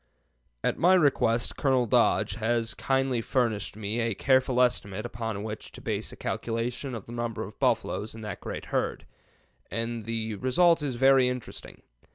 At my request Colonel Dodge has kindly furnished me a careful estimate upon which to base a calculation of the number of buffaloes in that great herd, and the result is very interesting.